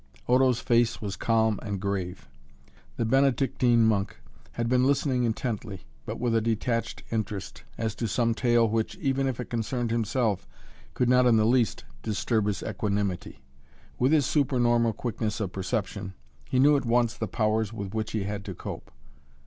Odo's face was calm and grave. The Benedictine monk had been listening intently, but with a detached interest, as to some tale which, even if it concerned himself, could not in the least disturb his equanimity. With his supernormal quickness of perception he knew at once the powers with which he had to cope.